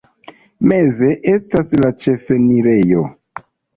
Meze estas la ĉefenirejo.